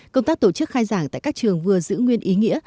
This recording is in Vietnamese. công tác tổ chức khai giảng tại các trường vừa giữ nguyên ý nghĩa